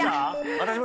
私も。